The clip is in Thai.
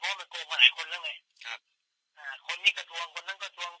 เพราะมันโกงมาหลายคนแล้วไงครับอ่าคนนี้กระทรวงคนนั้นกระทรวง